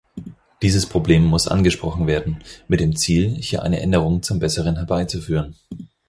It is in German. Dieses Problem muss angesprochen werden, mit dem Ziel, hier eine Änderung zum Besseren herbeizuführen.